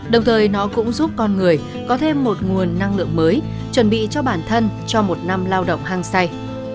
đồng thời nó cũng giúp con người có thêm một nguồn năng lượng mới chuẩn bị cho bản thân cho một năm lao động hàng say